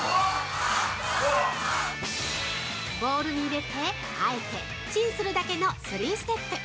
ボウルに入れて・あえて・チンするだけの３ステップ！